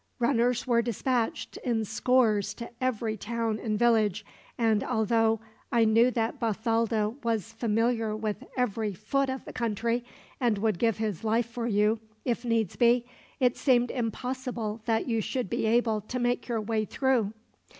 Runners were dispatched in scores to every town and village, and although I knew that Bathalda was familiar with every foot of the country, and would give his life for you if needs be, it seemed impossible that you should be able to make your way through.